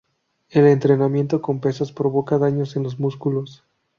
El entrenamiento con pesas provoca daños en los músculos.